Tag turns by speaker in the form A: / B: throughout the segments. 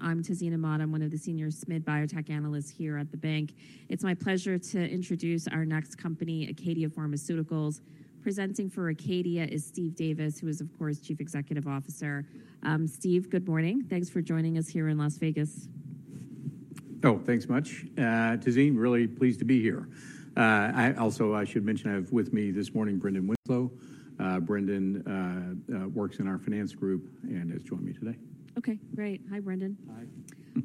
A: I'm Tazeen Ahmad. I'm one of the senior SMID biotech analysts here at the bank. It's my pleasure to introduce our next company, Acadia Pharmaceuticals. Presenting for Acadia is Steve Davis, who is, of course, Chief Executive Officer. Steve, good morning. Thanks for joining us here in Las Vegas.
B: Oh, thanks much, Tazeen. Really pleased to be here. I also, I should mention, I have with me this morning Brendan Winslow. Brendan, works in our finance group and has joined me today.
A: Okay, great. Hi, Brendan.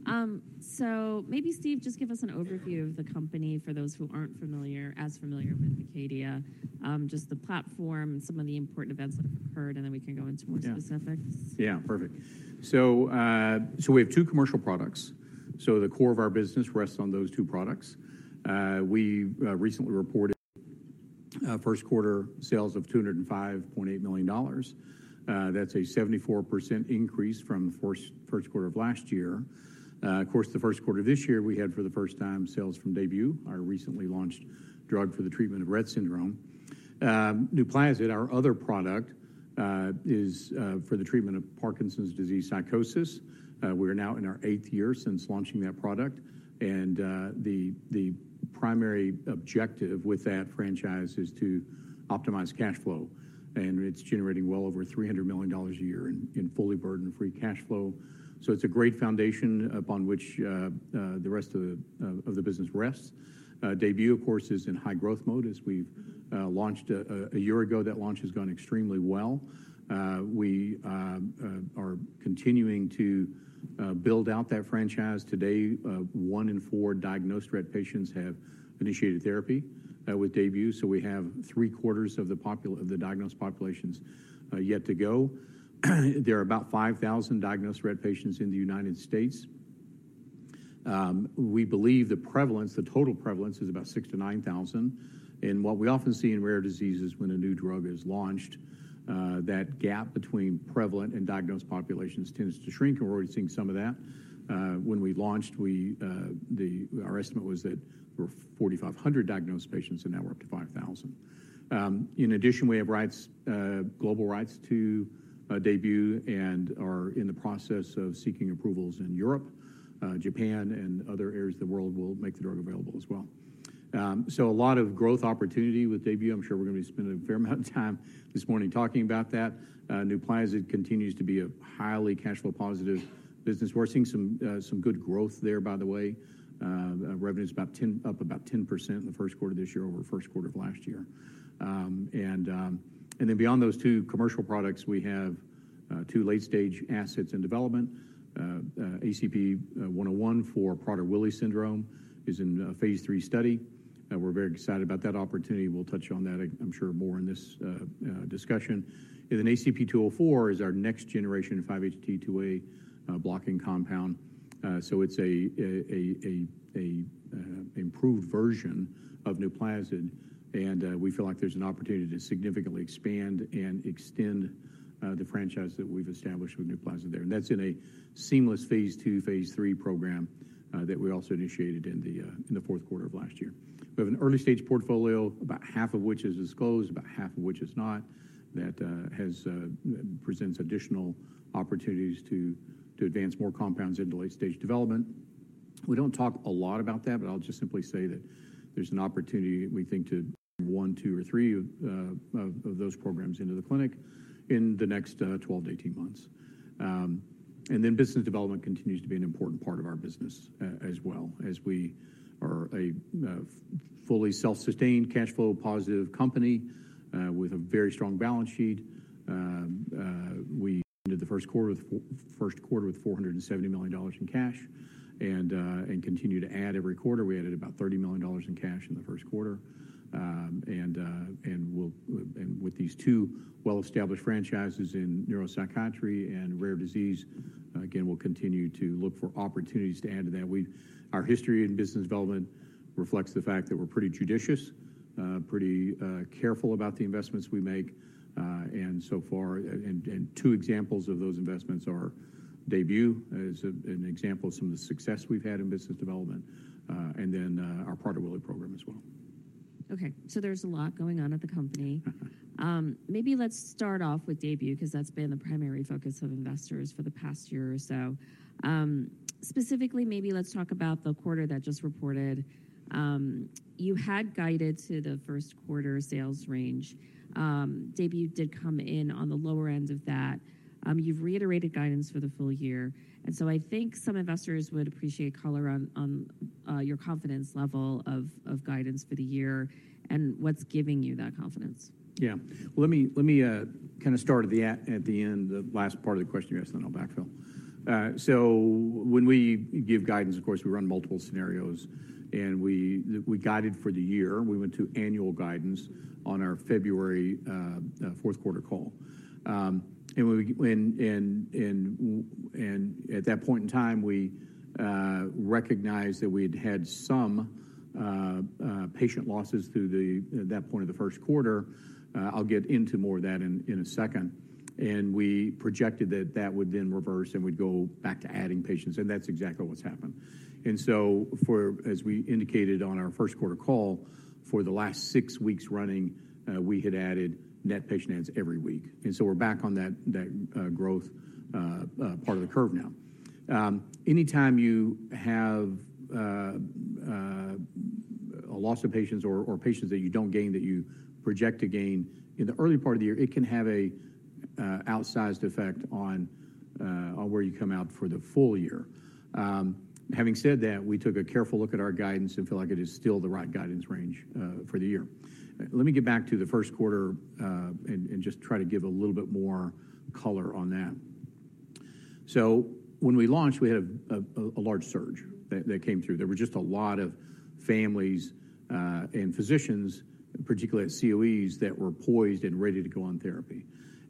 C: Hi.
A: So maybe, Steve, just give us an overview of the company for those who aren't familiar, as familiar with Acadia, just the platform and some of the important events that have occurred, and then we can go into more specifics.
B: Perfect. So, so we have two commercial products. So the core of our business rests on those two products. We recently reported Q1 sales of $205.8 million. That's a 74% increase from the Q1 of last year. Of course, the Q1 of this year, we had, for the first time, sales from DAYBUE, our recently launched drug for the treatment of Rett syndrome. NUPLAZID, our other product, is for the treatment of Parkinson's disease psychosis. We are now in our eighth year since launching that product, and the primary objective with that franchise is to optimize cash flow, and it's generating well over $300 million a year in fully burdened free cash flow. It's a great foundation upon which the rest of the business rests. DAYBUE, of course, is in high growth mode, as we've launched a year ago. That launch has gone extremely well. We are continuing to build out that franchise. Today, one in four diagnosed Rett patients have initiated therapy with DAYBUE, so we have three-quarters of the diagnosed populations yet to go. There are about 5,000 diagnosed Rett patients in the United States. We believe the prevalence, the total prevalence, is about 6,000-9,000. What we often see in rare diseases when a new drug is launched, that gap between prevalent and diagnosed populations tends to shrink, and we're already seeing some of that. When we launched, our estimate was that there were 4,500 diagnosed patients, and now we're up to 5,000. In addition, we have rights, global rights to DAYBUE and are in the process of seeking approvals in Europe, Japan, and other areas of the world we'll make the drug available as well. So a lot of growth opportunity with DAYBUE. I'm sure we're gonna be spending a fair amount of time this morning talking about that. NUPLAZID continues to be a highly cash flow positive business. We're seeing some good growth there, by the way. Revenue is about up about 10% in the Q1 of this year over the Q1 of last year. Then beyond those two commercial products, we have two late-stage assets in development. ACP-101 for Prader-Willi syndrome is in a phase 3 study, and we're very excited about that opportunity. We'll touch on that, I'm sure, more in this discussion. And then ACP-204 is our next generation of 5-HT2A blocking compound. So it's a improved version of NUPLAZID, and we feel like there's an opportunity to significantly expand and extend the franchise that we've established with NUPLAZID there. And that's in a seamless phase 2, phase 3 program that we also initiated in the Q4 of last year. We have an early-stage portfolio, about half of which is disclosed, about half of which is not, that presents additional opportunities to advance more compounds into late-stage development. We don't talk a lot about that, but I'll just simply say that there's an opportunity, we think, to one, two, or three of those programs into the clinic in the next 12-18 months. And then business development continues to be an important part of our business as well, as we are a fully self-sustained, cash flow positive company, with a very strong balance sheet. We ended the Q1 with $470 million in cash and continue to add every quarter. We added about $30 million in cash in the Q1. And with these two well-established franchises in neuropsychiatry and rare disease, again, we'll continue to look for opportunities to add to that. Our history in business development reflects the fact that we're pretty judicious, pretty careful about the investments we make, and so far, and two examples of those investments are DAYBUE, as an example of some of the success we've had in business development, and then our Prader-Willi program as well.
A: Okay, so there's a lot going on at the company. Maybe let's start off with DAYBUE, because that's been the primary focus of investors for the past year or so. Specifically, maybe let's talk about the quarter that just reported. You had guided to the Q1 sales range. DAYBUE did come in on the lower end of that. You've reiterated guidance for the full year, and so I think some investors would appreciate color on your confidence level of guidance for the year and what's giving you that confidence.
B: Let me start at the end, the last part of the question you asked, then I'll backfill. So when we give guidance, of course, we run multiple scenarios, and we guided for the year. We went to annual guidance on our February fourth-quarter call. And at that point in time, we recognized that we'd had some patient losses through the, at that point of the Q1. I'll get into more of that in a second. And so for as we indicated on our Q1 call, for the last six weeks running, we had added net patient adds every week, and so we're back on that growth part of the curve now. Anytime you have a loss of patients or patients that you don't gain, that you project to gain in the early part of the year, it can have an outsized effect on where you come out for the full year. Having said that, we took a careful look at our guidance and feel like it is still the right guidance range for the year. Let me get back to the Q1 and just try to give a little bit more color on that. So when we launched, we had a large surge that came through. There were just a lot of families, and physicians, particularly at COEs, that were poised and ready to go on therapy.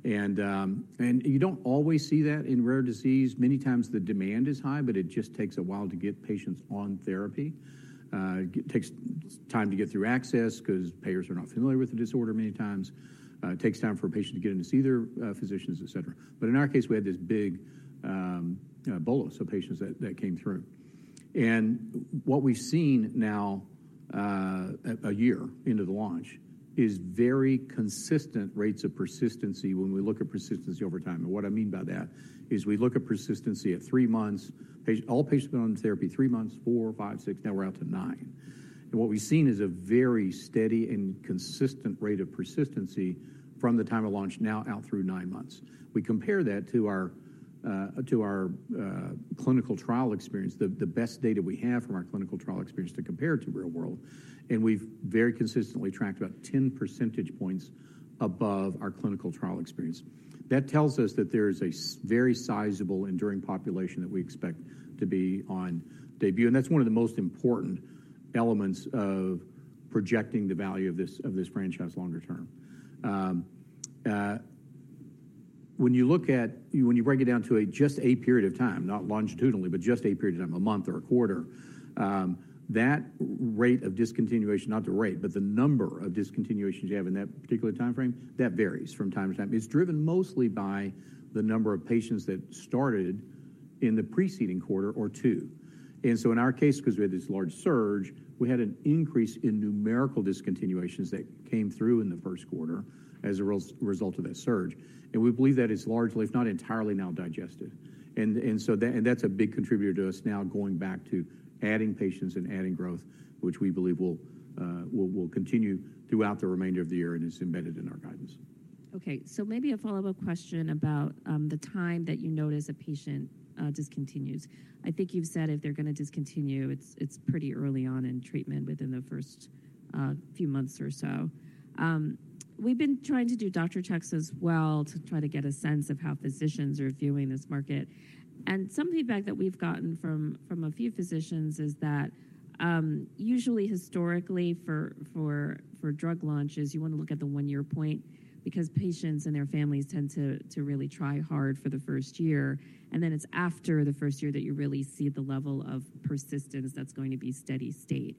B: And you don't always see that in rare disease. Many times the demand is high, but it just takes a while to get patients on therapy. It takes time to get through access, because payers are not familiar with the disorder many times. It takes time for a patient to get in to see their physicians, etc. But in our case, we had this big bolus of patients that came through. And what we've seen now, a year into the launch, is very consistent rates of persistency when we look at persistency over time. What I mean by that is we look at persistency at 3 months, all patients go on therapy, 3 months, 4, 5, 6, now we're out to 9. And what we've seen is a very steady and consistent rate of persistency from the time of launch now out through 9 months. We compare that to our clinical trial experience, the best data we have from our clinical trial experience to compare it to real world, and we've very consistently tracked about 10 percentage points above our clinical trial experience. That tells us that there is a very sizable enduring population that we expect to be on DAYBUE, and that's one of the most important elements of projecting the value of this, of this franchise longer term. When you break it down to a just a period of time, not longitudinally, but just a period of time, a month or a quarter, that rate of discontinuation, not the rate, but the number of discontinuations you have in that particular time frame, that varies from time to time. It's driven mostly by the number of patients that started in the preceding quarter or two. And so in our case, because we had this large surge, we had an increase in numerical discontinuations that came through in the Q1 as a result of that surge. And we believe that is largely, if not entirely, now digested. That's a big contributor to us now going back to adding patients and adding growth, which we believe will continue throughout the remainder of the year and is embedded in our guidance.
A: Okay, so maybe a follow-up question about the time that you notice a patient discontinues. I think you've said if they're going to discontinue, it's pretty early on in treatment, within the first few months or so. We've been trying to do doctor checks as well to try to get a sense of how physicians are viewing this market. Some feedback that we've gotten from a few physicians is that usually historically, for drug launches, you want to look at the one-year point because patients and their families tend to really try hard for the first year, and then it's after the first year that you really see the level of persistence that's going to be steady state.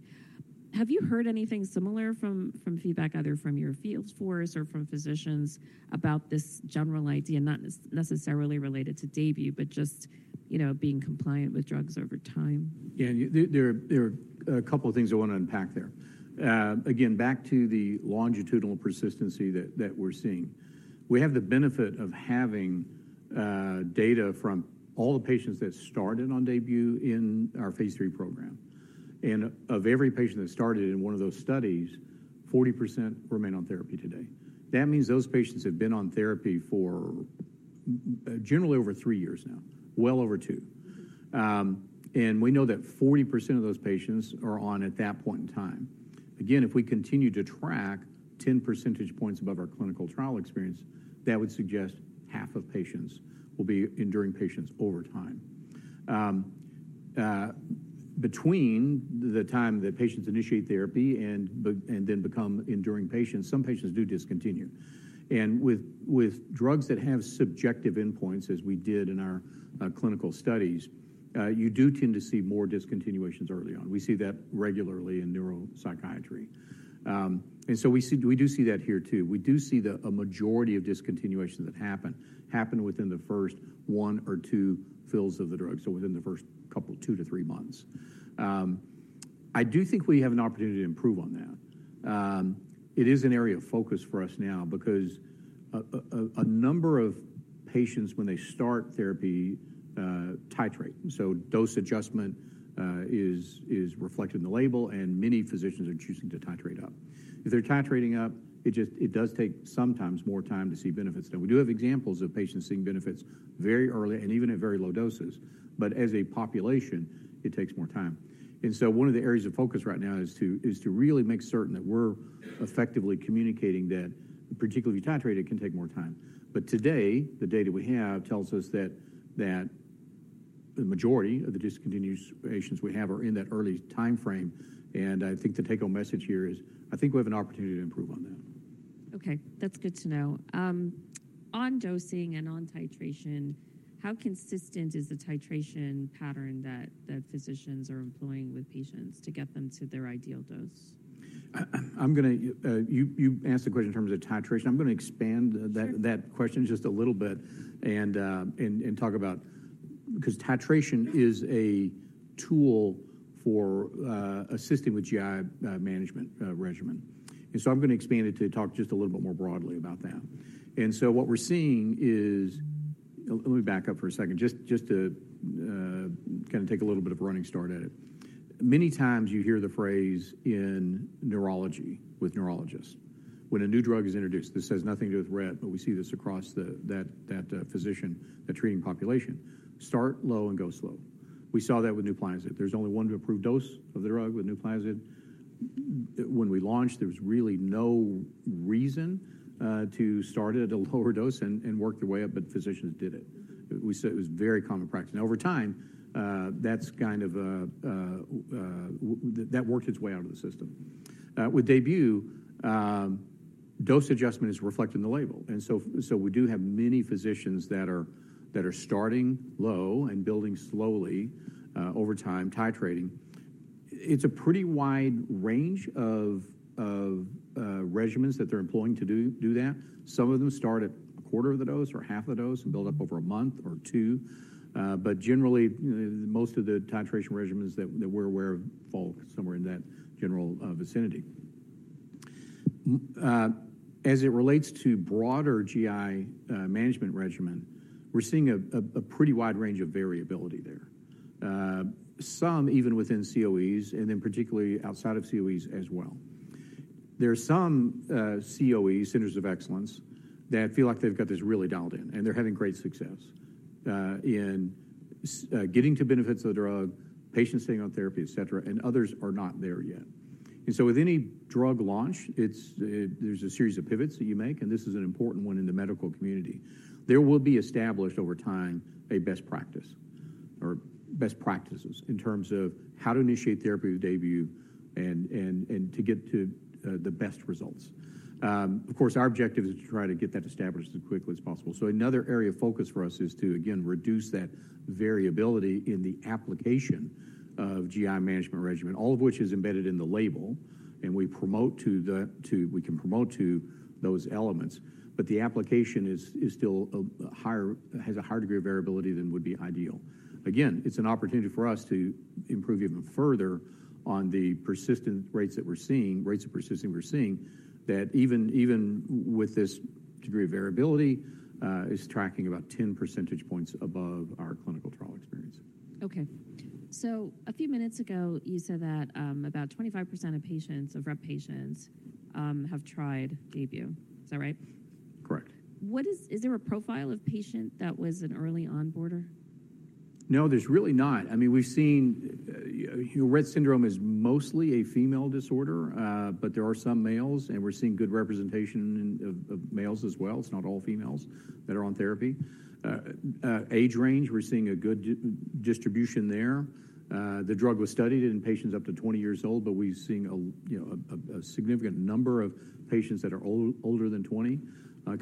A: Have you heard anything similar from feedback, either from your sales force or from physicians about this general idea, not necessarily related to DAYBUE, but just, you know, being compliant with drugs over time?
B: There are a couple of things I want to unpack there. Again, back to the longitudinal persistency that we're seeing. We have the benefit of having data from all the patients that started on DAYBUE in our phase III program. And of every patient that started in one of those studies, 40% remain on therapy today. That means those patients have been on therapy for generally over three years now, well over two. And we know that 40% of those patients are on at that point in time. Again, if we continue to track ten percentage points above our clinical trial experience, that would suggest half of patients will be enduring patients over time. Between the time that patients initiate therapy and then become enduring patients, some patients do discontinue. With drugs that have subjective endpoints, as we did in our clinical studies, you do tend to see more discontinuations early on. We see that regularly in neuropsychiatry. And so we see, we do see that here too. We do see a majority of discontinuations that happen within the first one or two fills of the drug, so within the first couple, two to three months. I do think we have an opportunity to improve on that. It is an area of focus for us now because a number of patients when they start therapy, titrate. So dose adjustment is reflected in the label, and many physicians are choosing to titrate up. If they're titrating up, it just, it does take sometimes more time to see benefits. Now, we do have examples of patients seeing benefits very early and even at very low doses. But as a population, it takes more time. And so one of the areas of focus right now is to really make certain that we're effectively communicating that, particularly if you titrate, it can take more time. But today, the data we have tells us that the majority of the discontinued patients we have are in that early time frame. And I think the take-home message here is, I think we have an opportunity to improve on that.
A: Okay, that's good to know. On dosing and on titration, how consistent is the titration pattern that physicians are employing with patients to get them to their ideal dose?
B: I'm gonna. You asked the question in terms of titration. I'm going to expand that-question just a little bit and talk about, because titration is a tool for assisting with GI management regimen. And so I'm going to expand it to talk just a little bit more broadly about that. And so what we're seeing is. Let me back up for a second, just to take a little bit of a running start at it. Many times you hear the phrase in neurology with neurologists. When a new drug is introduced, this has nothing to do with Rett, but we see this across the treating population: start low and go slow. We saw that with NUPLAZID. There's only one approved dose of the drug with NUPLAZID. When we launched, there was really no reason to start at a lower dose and work their way up, but physicians did it. We saw it was very common practice. Over time, that's that worked its way out of the system. With DAYBUE, dose adjustment is reflected in the label, and so we do have many physicians that are starting low and building slowly over time, titrating. It's a pretty wide range of regimens that they're employing to do that. Some of them start at a quarter of the dose or half a dose and build up over a month or two. But generally, most of the titration regimens that we're aware of fall somewhere in that general vicinity. As it relates to broader GI management regimen, we're seeing a pretty wide range of variability there. Some even within COEs and then particularly outside of COEs as well. There are some COEs, Centers of Excellence, that feel like they've got this really dialed in, and they're having great success in getting to benefits of the drug, patients staying on therapy, etc., and others are not there yet. So with any drug launch, it's, there's a series of pivots that you make, and this is an important one in the medical community. There will be established over time, a best practice or best practices in terms of how to initiate therapy with DAYBUE and to get to the best results. Of course, our objective is to try to get that established as quickly as possible. So another area of focus for us is to, again, reduce that variability in the application of GI management regimen, all of which is embedded in the label, and we promote to the—we can promote to those elements. But the application has a higher degree of variability than would be ideal. Again, it's an opportunity for us to improve even further on the persistence rates that we're seeing, that even with this degree of variability is tracking about 10 percentage points above our clinical trial experience.
A: Okay. A few minutes ago, you said that about 25% of patients, of Rett patients, have tried DAYBUE. Is that right?
B: Correct.
A: Is there a profile of patient that was an early adopter?
B: No, there's really not. I mean, we've seen, you know, Rett syndrome is mostly a female disorder, but there are some males, and we're seeing good representation of males as well. It's not all females that are on therapy. Age range, we're seeing a good distribution there. The drug was studied in patients up to 20 years old, but we've seen a, you know, a significant number of patients that are older than 20,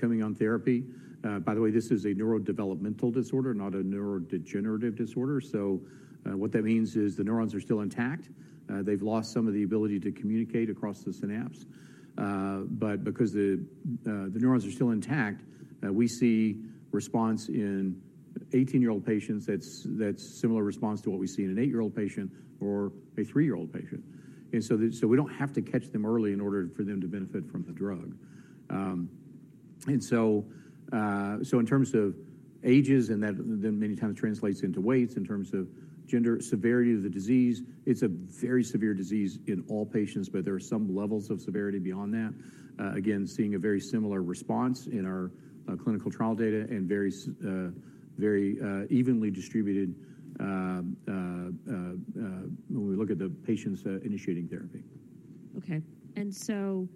B: coming on therapy. By the way, this is a neurodevelopmental disorder, not a neurodegenerative disorder. So, what that means is the neurons are still intact. They've lost some of the ability to communicate across the synapse, but because the neurons are still intact, we see response in 18-year-old patients that's similar response to what we see in an 8-year-old patient or a 3-year-old patient. So we don't have to catch them early in order for them to benefit from the drug. So in terms of ages, and that then many times translates into weights, in terms of gender, severity of the disease, it's a very severe disease in all patients, but there are some levels of severity beyond that. Again, seeing a very similar response in our clinical trial data and very evenly distributed when we look at the patients initiating therapy.
A: So,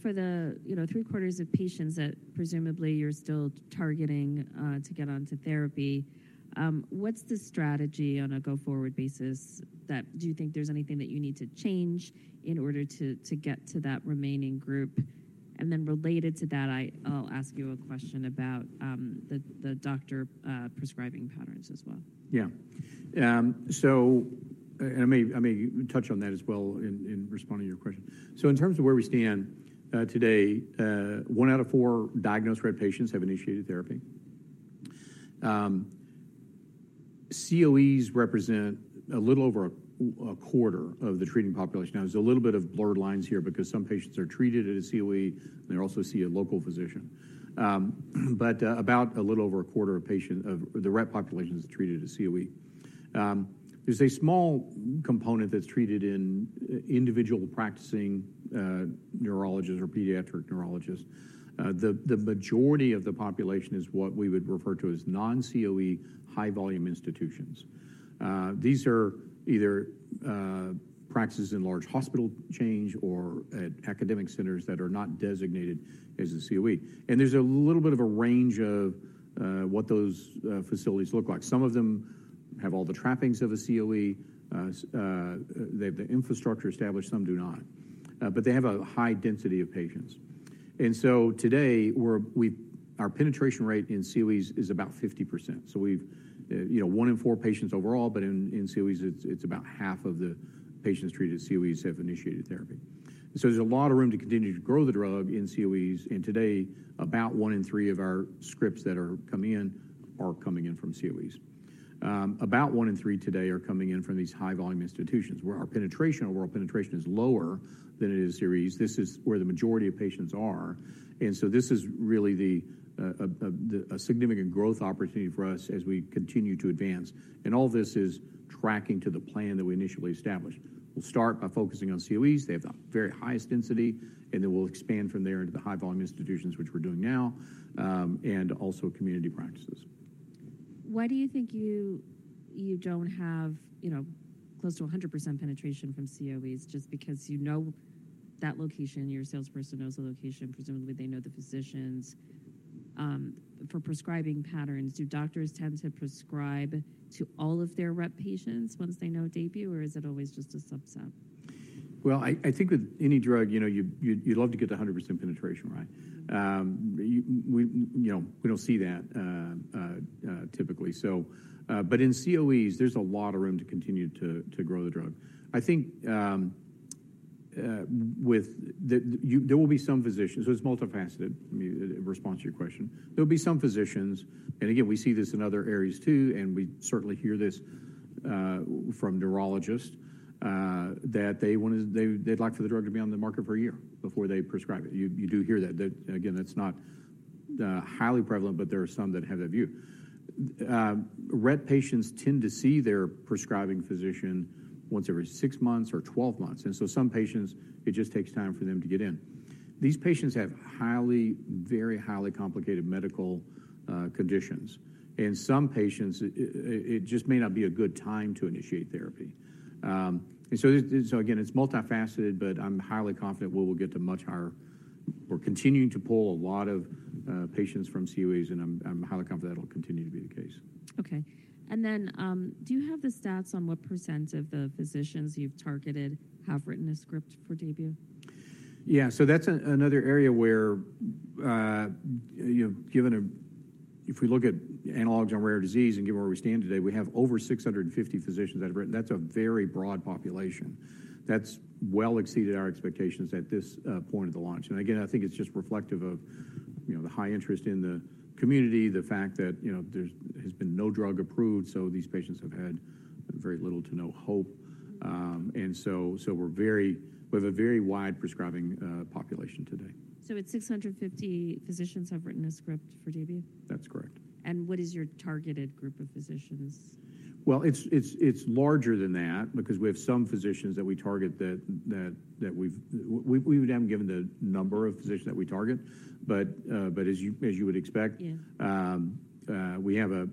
A: for the, you know, three-quarters of patients that presumably you're still targeting to get onto therapy, what's the strategy on a go-forward basis that— Do you think there's anything that you need to change in order to get to that remaining group? And then related to that, I'll ask you a question about the doctor prescribing patterns as well.
B: So and I may touch on that as well in responding to your question. So in terms of where we stand, today, 1 out of 4 diagnosed Rett patients have initiated therapy. COEs represent a little over a quarter of the treating population. Now, there's a little bit of blurred lines here because some patients are treated at a COE, and they also see a local physician. But about a little over a quarter of the Rett population is treated at a COE. There's a small component that's treated in individual practicing neurologists or pediatric neurologists. The majority of the population is what we would refer to as non-COE, high-volume institutions. These are either practices in large hospital chains or at academic centers that are not designated as a COE. There's a little bit of a range of what those facilities look like. Some of them have all the trappings of a COE. They have the infrastructure established, some do not. But they have a high density of patients. And so today, our penetration rate in COEs is about 50%. So we've you know, one in four patients overall, but in COEs, it's about half of the patients treated at COEs have initiated therapy. So there's a lot of room to continue to grow the drug in COEs, and today, about one in three of our scripts that are coming in are coming in from COEs. About one in three today are coming in from these high-volume institutions, where our penetration, our overall penetration is lower than it is in COEs. This is where the majority of patients are, and so this is really a significant growth opportunity for us as we continue to advance. All this is tracking to the plan that we initially established. We'll start by focusing on COEs. They have the very highest density, and then we'll expand from there into the high-volume institutions, which we're doing now, and also community practices.
A: Why do you think you don't have, you know, close to 100% penetration from COEs just because you know that location, your salesperson knows the location, presumably they know the physicians for prescribing patterns? Do doctors tend to prescribe to all of their Rett patients once they know DAYBUE, or is it always just a subset?
B: Well, I think with any drug, you know, you'd love to get to 100% penetration, right? You know, we don't see that typically. So, but in COEs, there's a lot of room to continue to grow the drug. I think that there will be some physicians, so it's multifaceted, I mean, in response to your question. There'll be some physicians, and again, we see this in other areas, too, and we certainly hear this from neurologists that they want to, they'd like for the drug to be on the market for a year before they prescribe it. You do hear that. That, again, that's not highly prevalent, but there are some that have that view. Rett patients tend to see their prescribing physician once every 6 months or 12 months, and so some patients, it just takes time for them to get in. These patients have highly, very highly complicated medical conditions, and some patients, it just may not be a good time to initiate therapy. And so again, it's multifaceted, but I'm highly confident we will get to much higher. We're continuing to pull a lot of patients from COEs, and I'm highly confident that'll continue to be the case.
A: Okay. And then, do you have the stats on what percent of the physicians you've targeted have written a script for DAYBUE?
B: So that's another area where, you know, given, if we look at analogs on rare disease and given where we stand today, we have over 650 physicians that have written. That's a very broad population. That's well exceeded our expectations at this point of the launch. And again, I think it's just reflective of, you know, the high interest in the community, the fact that, you know, there's, has been no drug approved, so these patients have had very little to no hope. And so, so we're very, we have a very wide prescribing population today.
A: So it's 650 physicians have written a script for DAYBUE?
B: That's correct.
A: What is your targeted group of physicians?
B: Well, it's larger than that because we have some physicians that we target that we wouldn't have been given the number of physicians that we target. But as you would expect we have a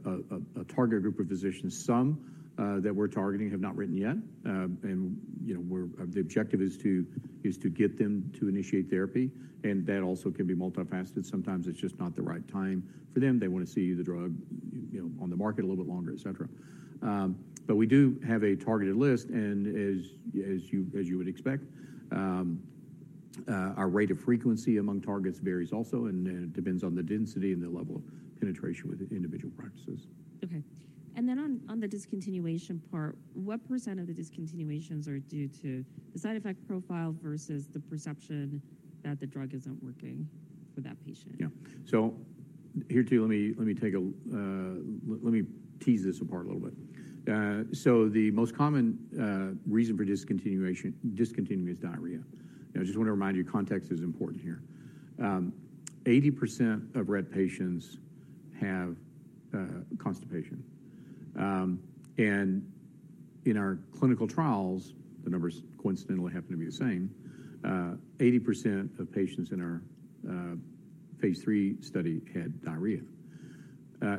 B: target group of physicians. Some that we're targeting have not written yet, and, you know, we're—the objective is to get them to initiate therapy, and that also can be multifaceted. Sometimes it's just not the right time for them. They want to see the drug, you know, on the market a little bit longer, etc. But we do have a targeted list, and as you would expect, our rate of frequency among targets varies also, and it depends on the density and the level of penetration with individual practices.
A: Okay. And then on the discontinuation part, what % of the discontinuations are due to the side effect profile versus the perception that the drug isn't working for that patient?
B: So here, too, let me tease this apart a little bit. So the most common reason for discontinuation, discontinue is diarrhea. I just want to remind you, context is important here. 80% of Rett patients have constipation. And in our clinical trials, the numbers coincidentally happen to be the same, 80% of patients in our phase 3 study had diarrhea.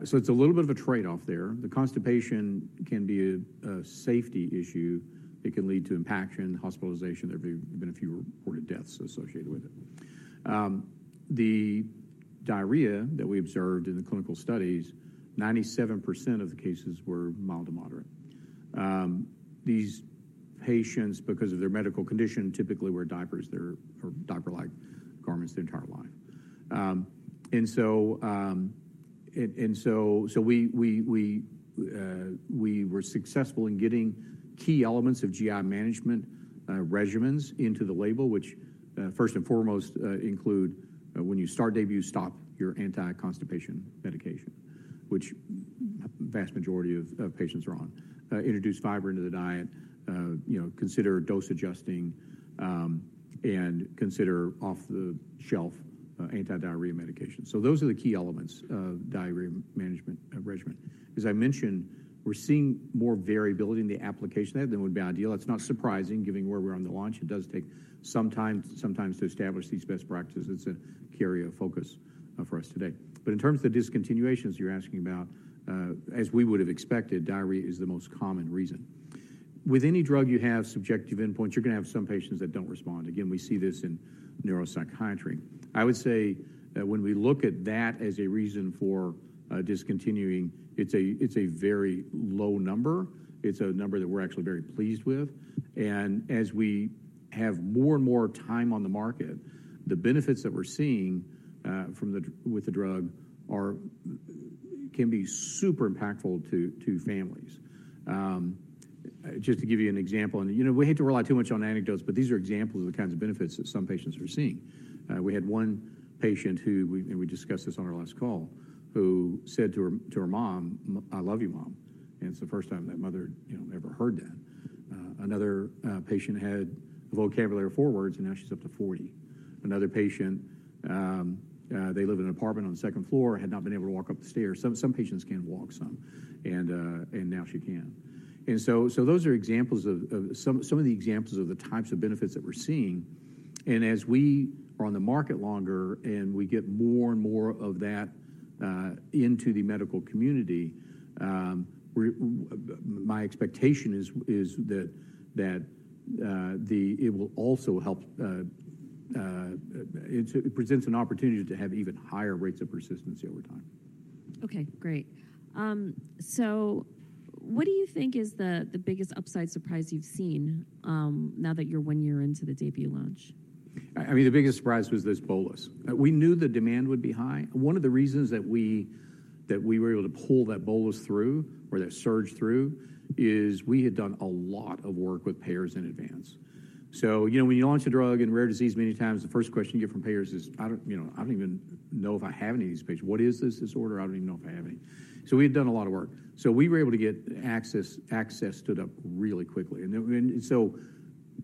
B: So it's a little bit of a trade-off there. The constipation can be a safety issue. It can lead to impaction, hospitalization. There have been a few reported deaths associated with it. The diarrhea that we observed in the clinical studies, 97% of the cases were mild to moderate. These patients, because of their medical condition, typically wear diapers or diaper-like garments their entire life. So we were successful in getting key elements of GI management regimens into the label, which first and foremost include when you start DAYBUE, stop your anti-constipation medication, which vast majority of patients are on. Introduce fiber into the diet, you know, consider dose adjusting, and consider off-the-shelf anti-diarrhea medication. So those are the key elements of diarrhea management regimen. As I mentioned, we're seeing more variability in the application than would be ideal. That's not surprising, given where we are on the launch. It does take some time, sometimes to establish these best practices. It's a key area of focus for us today. But in terms of the discontinuations you're asking about, as we would have expected, diarrhea is the most common reason. With any drug you have subjective endpoints, you're gonna have some patients that don't respond. Again, we see this in neuropsychiatry. I would say that when we look at that as a reason for discontinuing, it's a very low number. It's a number that we're actually very pleased with, and as we have more and more time on the market, the benefits that we're seeing with the drug can be super impactful to families. Just to give you an example, and, you know, we hate to rely too much on anecdotes, but these are examples of the kinds of benefits that some patients are seeing. We had one patient who, and we discussed this on our last call, who said to her mom, "Mom, I love you, Mom." And it's the first time that mother, you know, ever heard that. Another patient had a vocabulary of four words, and now she's up to 40. Another patient, they live in an apartment on the second floor, had not been able to walk up the stairs. Some patients can walk some, and now she can. And so those are examples of some of the examples of the types of benefits that we're seeing. And as we are on the market longer, and we get more and more of that into the medical community, we're my expectation is that will also help. It presents an opportunity to have even higher rates of persistency over time.
A: Okay, great. So what do you think is the biggest upside surprise you've seen now that you're one year into the debut launch?
B: I mean, the biggest surprise was this bolus. We knew the demand would be high. One of the reasons that we were able to pull that bolus through or that surge through is we had done a lot of work with payers in advance. So, you know, when you launch a drug in rare disease, many times the first question you get from payers is, "I don't, you know, I don't even know if I have any of these patients. What is this disorder? I don't even know if I have any." So we've done a lot of work. So we were able to get access; access stood up really quickly. And then, and so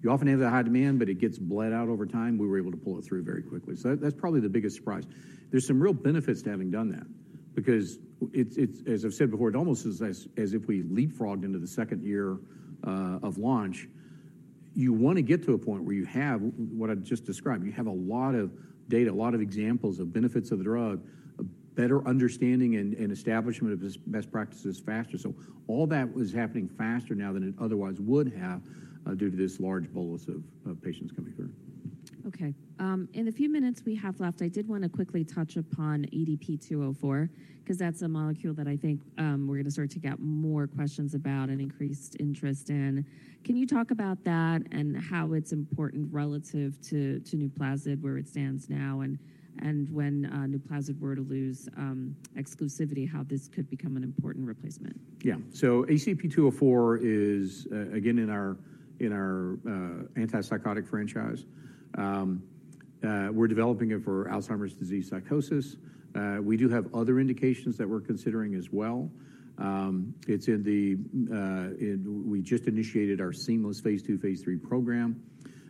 B: you often have the high demand, but it gets bled out over time. We were able to pull it through very quickly, so that's probably the biggest surprise. There's some real benefits to having done that, because it's, as I've said before, it almost is as if we leapfrogged into the second year of launch. You wanna get to a point where you have what I just described. You have a lot of data, a lot of examples of benefits of the drug, a better understanding and establishment of this best practices faster. So all that is happening faster now than it otherwise would have, due to this large bolus of patients coming through.
A: Okay. In the few minutes we have left, I did wanna quickly touch upon ACP-204, 'cause that's a molecule that I think, we're gonna start to get more questions about and increased interest in. Can you talk about that and how it's important relative to, to NUPLAZID, where it stands now, and, and when NUPLAZID were to lose, exclusivity, how this could become an important replacement?
B: So ACP-204 is, again, in our antipsychotic franchise. We're developing it for Alzheimer's disease psychosis. We do have other indications that we're considering as well. We just initiated our seamless phase 2, phase 3 program.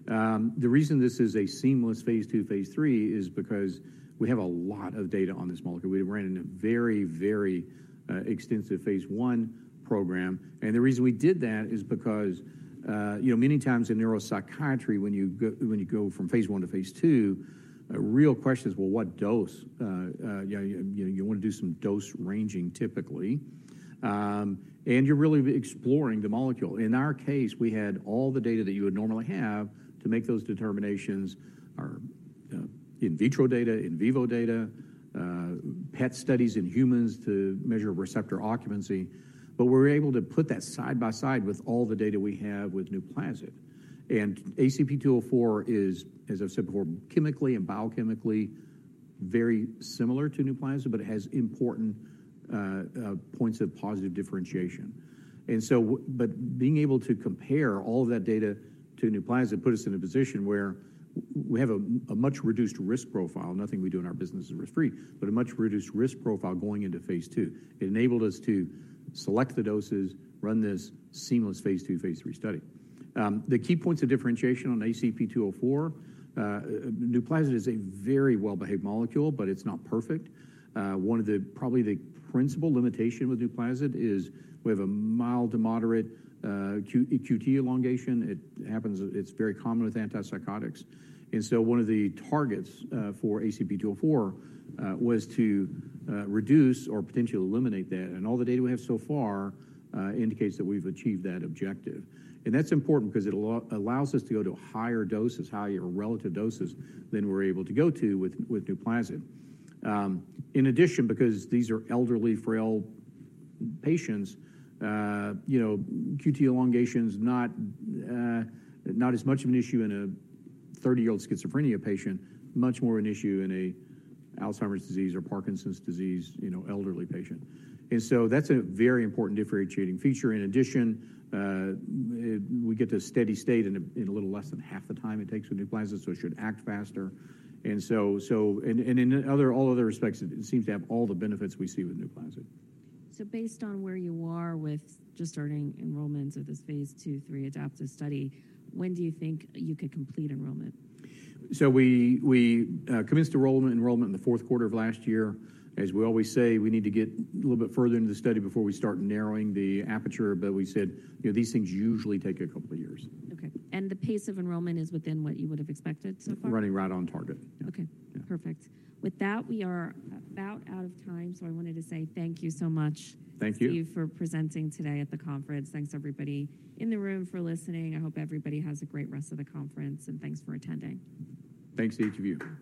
B: The reason this is a seamless phase 2, phase 3 is because we have a lot of data on this molecule. We ran a very, very extensive phase 1 program, and the reason we did that is because, you know, many times in neuropsychiatry, when you go from phase 1 to phase 2, a real question is, well, what dose? You wanna do some dose ranging typically, and you're really exploring the molecule. In our case, we had all the data that you would normally have to make those determinations, our in vitro data, in vivo data, PET studies in humans to measure receptor occupancy. But we were able to put that side by side with all the data we have with NUPLAZID. And ACP-204 is, as I've said before, chemically and biochemically very similar to NUPLAZID, but it has important points of positive differentiation. But being able to compare all of that data to NUPLAZID put us in a position where we have a much reduced risk profile. Nothing we do in our business is risk-free, but a much reduced risk profile going into phase 2. It enabled us to select the doses, run this seamless phase 2, phase 3 study. The key points of differentiation on ACP-204, NUPLAZID is a very well-behaved molecule, but it's not perfect. One of the, probably the principal limitation with NUPLAZID is we have a mild to moderate QT elongation. It happens, it's very common with antipsychotics. And so one of the targets for ACP-204 was to reduce or potentially eliminate that. And all the data we have so far indicates that we've achieved that objective. And that's important because it allows us to go to higher doses, higher relative doses than we're able to go to with NUPLAZID. In addition, because these are elderly, frail patients, you know, QT elongation is not, not as much of an issue in a 30-year-old schizophrenia patient, much more an issue in an Alzheimer's disease or Parkinson's disease, you know, elderly patient. And so that's a very important differentiating feature. In addition, we get to a steady state in a little less than half the time it takes with NUPLAZID, so it should act faster. And in all other respects, it seems to have all the benefits we see with NUPLAZID.
A: Based on where you are with just starting enrollment of this phase 2/3 adaptive study, when do you think you could complete enrollment?
B: We commenced enrollment in the Q4 of last year. As we always say, we need to get a little bit further into the study before we start narrowing the aperture, but we said, you know, these things usually take a couple of years.
A: Okay. The pace of enrollment is within what you would have expected so far?
B: Running right on target.
A: Perfect. With that, we are about out of time, so I wanted to say thank you so much-
B: Thank you.
A: -to you for presenting today at the conference. Thanks, everybody in the room for listening. I hope everybody has a great rest of the conference, and thanks for attending.
B: Thanks to each of you.